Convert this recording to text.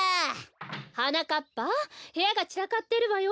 はなかっぱへやがちらかってるわよ。